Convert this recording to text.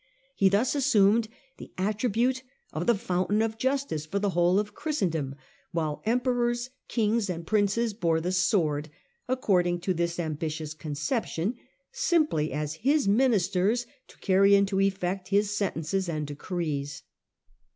He thus assumed the attribute of the fountain of justice for the whole of Christendom, while Emperors, Kings and princes bore the sword, according to this ambitious conception, simply as his ministers to carry into effect his sentences and decrees.